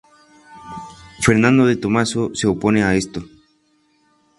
Fernando de Tomaso se opone a esto.